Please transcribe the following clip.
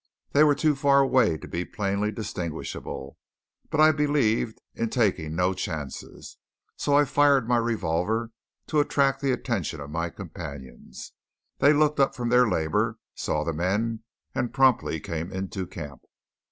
They were too far away to be plainly distinguishable, but I believed in taking no chances, so I fired my revolver to attract the attention of my companions. They looked up from their labour, saw the men, and promptly came into camp.